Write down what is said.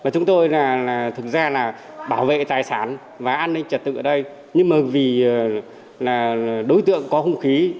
chúng tôi thực ra là bảo vệ tài sản và an ninh trật tự ở đây nhưng mà vì là đối tượng có hung khí